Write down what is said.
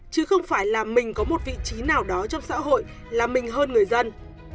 chứ không phải là mình có một vị trí nào đó trong xã hội là mình hơn người dân